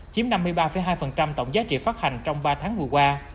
chiếm năm mươi ba hai tổng giá trị phát hành trong ba tháng vừa qua